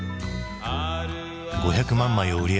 ５００万枚を売り上げ